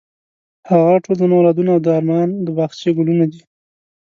هغه ټول زما اولادونه او د ارمان د باغچې ګلونه دي.